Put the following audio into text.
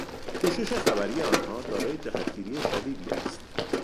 پوشش خبری آنها دارای جهتگیری شدیدی است.